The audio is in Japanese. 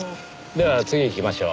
では次行きましょう。